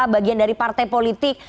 bagian dari partai politik